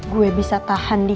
gue ini jadi paham om pasti